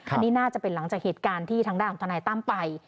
อันนี้น่าจะเป็นหลังจากเหตุการณ์ที่ทางด้านของทนายตั้มไป